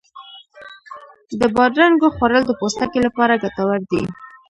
د بادرنګو خوړل د پوستکي لپاره ګټور دی.